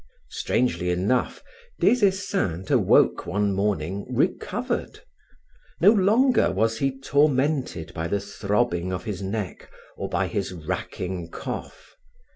Strangely enough, Des Esseintes awoke one morning recovered; no longer was he tormented by the throbbing of his neck or by his racking cough.